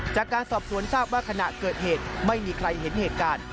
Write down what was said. จากการสอบสวนทราบว่าขณะเกิดเหตุไม่มีใครเห็นเหตุการณ์